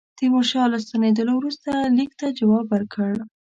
تیمورشاه له ستنېدلو وروسته لیک ته جواب ورکړ.